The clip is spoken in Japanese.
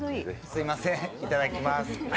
すみません、いただきまーす。